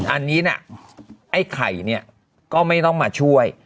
อันนี้นะไอ้ไข่เนี่ยก็ไม่ต้องมาช่วย